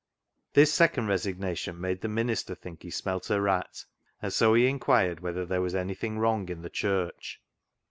This second resignation made the minister think he smelt a rat, and so he inquired whether there was anything wrong in the Church.